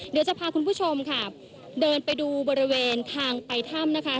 เดี๋ยวจะพาคุณผู้ชมค่ะเดินไปดูบริเวณทางไปถ้ำนะคะ